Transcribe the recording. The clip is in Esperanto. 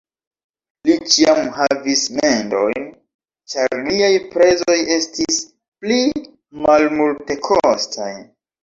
Li ĉiam havis mendojn, ĉar liaj prezoj estis pli malmultekostaj.